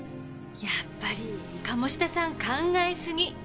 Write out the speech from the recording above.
やっぱり鴨志田さん考えすぎ。